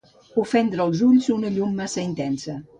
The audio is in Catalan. Ofendre els ulls una llum massa intensa.